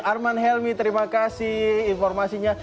arman helmi terima kasih informasinya